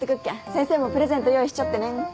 先生もプレゼント用意しちょってね。